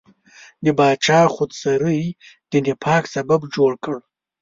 د پاچا خودسرۍ د نفاق سبب جوړ کړ.